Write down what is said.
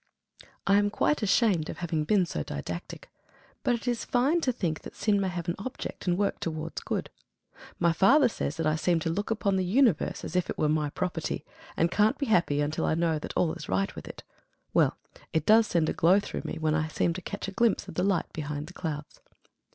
I am quite ashamed of having been so didactic. But it is fine to think that sin may have an object and work towards good. My father says that I seem to look upon the universe as if it were my property, and can't be happy until I know that all is right with it. Well, it does send a glow through me when I seem to catch a glimpse of the light behind the clouds.